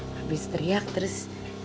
habis teriak terus